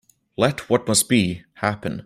Let what must be, happen.